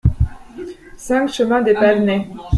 cinq chemin des Palnaies